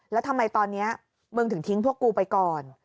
แล้วทำไมตอนนี้มึงถึงทิ้งพวกกูไปก่อน